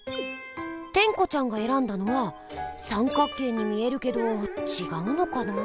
テンコちゃんがえらんだのは三角形に見えるけどちがうのかなぁ？